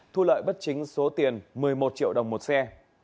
thu lợi bất chính số tiền một mươi một triệu đồng một xe